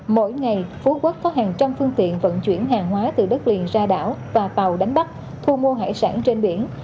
mỗi ngày phú quốc có hàng trăm phương tiện vận chuyển hàng hóa từ đất liền ra đảo và tàu đánh bắt thu mua hải sản trên biển